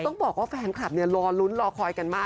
ต้องบอกว่าแฟนคลับเนี่ยรอลุ้นรอคอยกันมาก